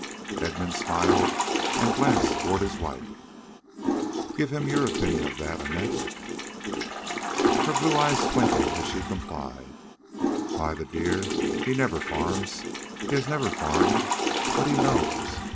Edmund smiled and glanced toward his wife. "Give him your opinion of that, Annette." Her blue eyes twinkled as she complied. "Why, the dear, he never farms. He has never farmed. But he knows."